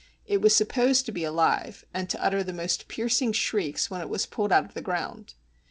It was supposed to be alive, and to utter the most piercing shrieks when it was pulled out of the ground.